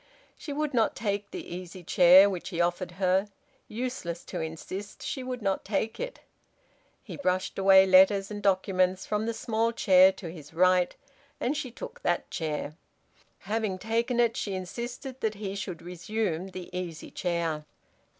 She would not take the easy chair which he offered her. Useless to insist she would not take it. He brushed away letters and documents from the small chair to his right, and she took that chair... Having taken it, she insisted that he should resume the easy chair.